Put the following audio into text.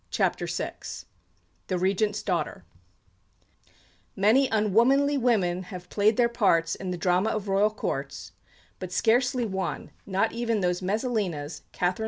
CHAPTER VI THE REGENT'S DAUGHTER Many unwomanly women have played their parts in the drama of Royal Courts, but scarcely one, not even those Messalinas, Catherine II.